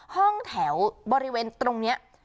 ห้องแถวบริเวณตรงนี้